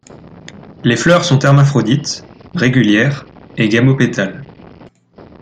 Les fleurs sont hermaphrodites, régulières et gamopétales.